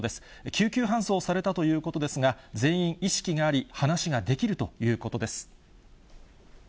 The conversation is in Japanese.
救急搬送されたということですが、全員、意識があり、話ができるということです。